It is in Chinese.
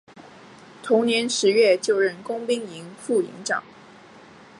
同年十月就任工兵营副营长。